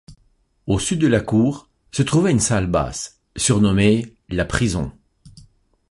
Au sud de la cour, se trouvait une salle basse, surnommé la prison.